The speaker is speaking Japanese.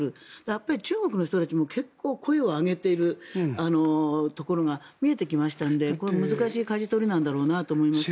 やっぱり、中国の人たちも結構声を上げているところが見えてきましたので難しいかじ取りなんだろうなと思います。